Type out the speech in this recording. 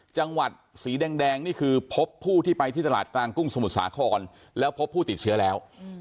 จังหวัดสีแดงนี่คือพบผู้ที่ไปที่ตลาดกลางกุ้งสมุทรสาครแล้วพบผู้ติดเชื้อแล้ว